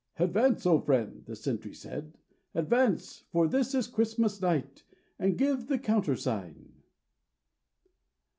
'Advance, oh friend,' the sentry said, Advance, for this is Christmas night, And give the countersign.'